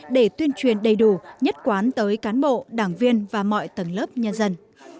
để tuyên truyền đầy đủ nhất quán tới cán bộ đảng viên và mọi tầng lớp nhân dân